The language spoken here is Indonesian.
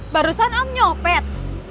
barusan om nyopet